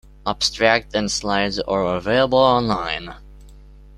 Abstract and slides are available online.